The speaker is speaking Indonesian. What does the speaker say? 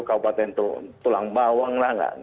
kabupaten tulang bawang lah